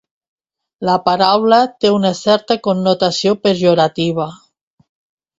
La paraula té una certa connotació pejorativa.